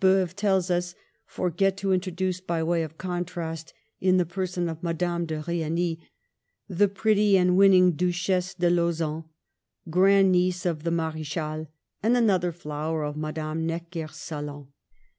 Beuve tells us, forget to intro duce, by way of contrast, in the person of Mad ame de Rieny, the pretty and winning Duchess de Lauzun, grand niece of the Mardchale, and another flower of Madame Necker' s salon.